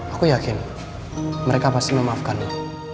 aku yakin mereka pasti memaafkannya